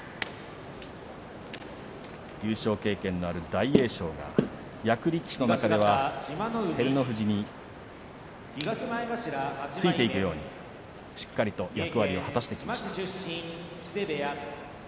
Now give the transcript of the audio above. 優勝経験のある大栄翔が役力士の中では照ノ富士についていくようにしっかりと役割を果たしてきました。